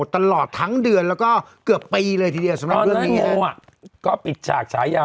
ตลอดทั้งเดือนแล้วก็เกือบปีเลยทีเดียวสำหรับเรื่องนี้โง่ก็ปิดฉากฉายา